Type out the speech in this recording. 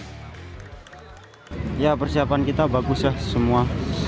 ketidakpapan kita bagus ya semua